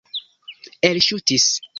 elŝutis